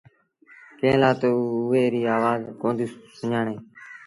ڪݩهݩ لآ تا او اُئي ريٚ آوآز ڪوندينٚ سُڃآڻيݩ۔